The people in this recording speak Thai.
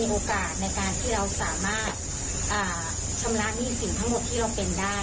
อธิษฐานจิตว่าถ้ามีโอกาสในการที่เราสามารถชำระหนี้สินทั้งหมดที่เราเป็นได้